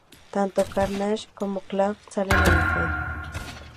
Tanto Carnage como Klaw salen a la calle.